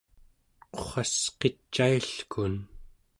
qurrasqicailkun